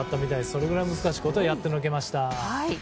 それぐらい難しいことをやってのけました。